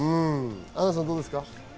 アンナさんどうですか？